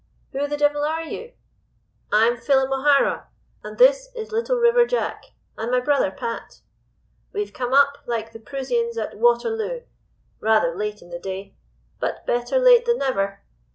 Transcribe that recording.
"'Who the devil are you?' "'I'm Phelim O'Hara, and this is Little River Jack, and my brother Pat. We've come up, like the Proosians at Waterloo, rather late in the day; but "better late than never."